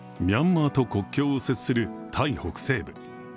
ミャンマーと国境を接するタイ北西部。